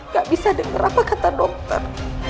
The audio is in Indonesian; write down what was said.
gak bisa dengar apa kata dokter